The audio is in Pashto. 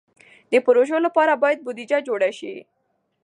د پروژو لپاره باید بودیجه جوړه شي.